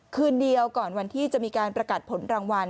คืนเดียวก่อนวันที่จะมีการประกาศผลรางวัล